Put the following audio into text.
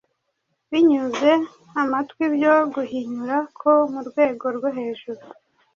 binyuze amatwi byo guhinyura ko mu rwego rwo hejuru,